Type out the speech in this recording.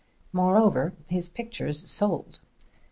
Moreover, his pictures sold.